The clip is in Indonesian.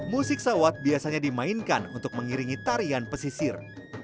musik sawat biasanya dimainkan untuk mengiringi tarian pesisir